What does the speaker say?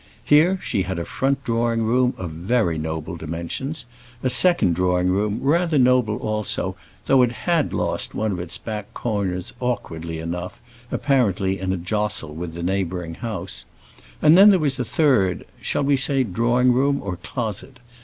Here she had a front drawing room of very noble dimensions, a second drawing room rather noble also, though it had lost one of its back corners awkwardly enough, apparently in a jostle with the neighbouring house; and then there was a third shall we say drawing room, or closet?